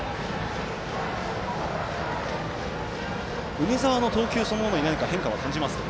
梅澤の投球そのものに何か変化は感じますか？